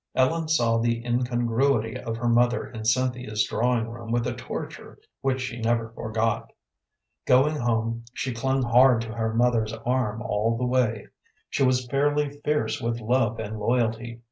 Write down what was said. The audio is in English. Ellen saw the incongruity of her mother in Cynthia's drawing room with a torture which she never forgot. Going home she clung hard to her mother's arm all the way. She was fairly fierce with love and loyalty.